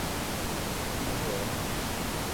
อิงเหวิน